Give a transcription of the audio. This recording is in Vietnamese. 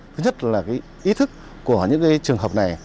thứ nhất là ý thức của những trường hợp này